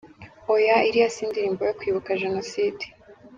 Oya ! Iriya si indirimbo yo kwibuka Jenoside.